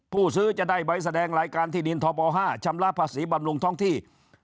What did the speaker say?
ผู้ซื้อจะได้ใบแสดงรายการที่ดินทบ๕ชำระภาษีบำรุงท้องที่